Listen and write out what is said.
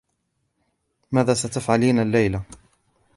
ماذا ستفعلين الليلة؟